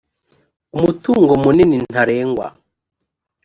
umutungo munini ntarengwa